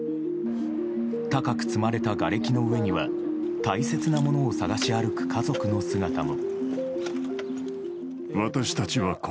高く積まれたがれきの上には大切なものを捜し歩く家族の姿も。